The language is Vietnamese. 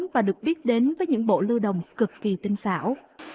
và được biết đến với những bộ lưu đồng cực kỳ tinh xảo